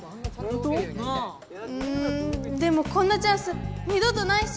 ううんでもこんなチャンス二度とないし。